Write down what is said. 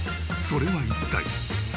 それは一体！？